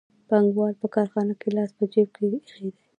پانګوال په کارخانه کې لاس په جېب کې ایښی وي